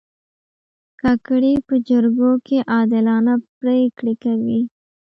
کاکړي په جرګو کې عادلانه پرېکړې کوي.